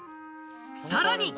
さらに。